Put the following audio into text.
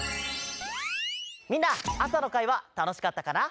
みんな朝の会はたのしかったかな？